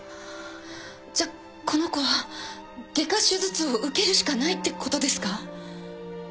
じゃあこの子は外科手術を受けるしかないってことですか？